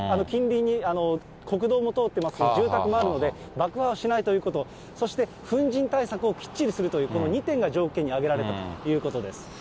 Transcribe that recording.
近隣に国道も通ってます、住宅もあるので、爆破をしないということ、そして粉じん対策をきっちりするという、この２点が条件に挙げられたということです。